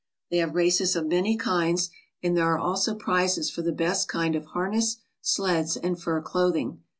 They have races of many kinds, and there are also prizes for the best kind of harness, sleds, and fur clothing.